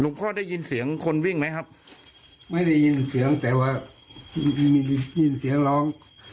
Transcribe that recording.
พ่อได้ยินเสียงคนวิ่งไหมครับไม่ได้ยินเสียงแต่ว่าได้ยินเสียงร้อง